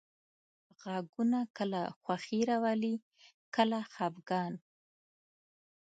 غږونه کله خوښي راولي، کله خپګان.